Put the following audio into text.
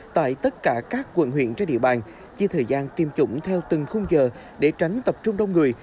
tại tất cả các quận huyện trên địa bàn chia thời gian tiêm chủng theo từng khung giờ để tránh tập trung đông người